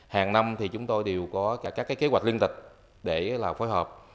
hàng năm chúng tôi đều có các kế hoạch liên tịch để phối hợp